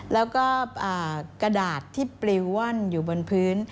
แล้วก็กระดาษที่ปลิวว่อนอยู่บนพื้น